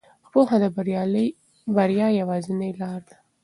پوهه د بریا یوازینۍ لار ده.